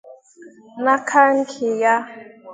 N'aka nke ya